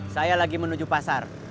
saya lagi menuju pasar